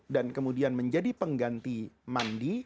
dan kemudian menjadi pengganti mandi